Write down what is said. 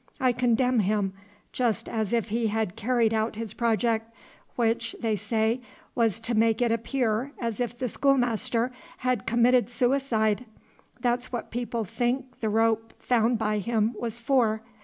"I condemn him just as if he had carried out his project, which, they say, was to make it appear as if the schoolmaster had committed suicide. That's what people think the rope found by him was for.